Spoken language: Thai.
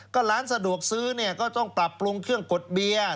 ก็ร้านสะดวกซื้อเนี่ยก็ต้องปรับปรุงเครื่องกดเบียร์